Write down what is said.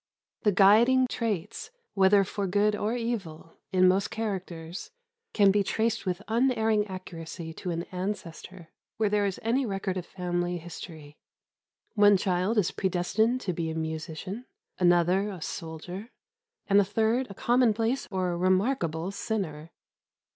The guiding traits (whether for good or evil) in most characters can be traced with unerring accuracy to an ancestor, where there is any record of family history. One child is predestined to be a musician, another a soldier, and a third a commonplace or remarkable sinner.